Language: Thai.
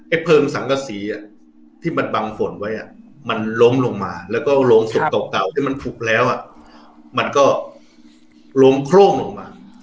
เพลิงสังกษีที่มันบังฝนไว้มันล้มลงมาแล้วก็โรงศพเก่าที่มันผุบแล้วมันก็ล้มโคร่มลงมา